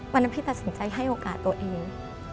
วันนั้นพี่ตัดสินใจให้โอกาสตัวเอง